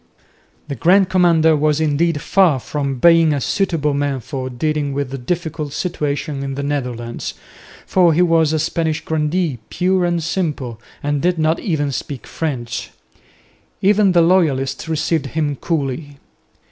The Grand Commander was indeed far from being a suitable man for dealing with the difficult situation in the Netherlands, for he was a Spanish grandee pure and simple and did not even speak French. Even the loyalists received him coolly.